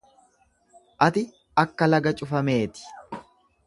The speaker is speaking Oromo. Ati akka laga cufamee ti.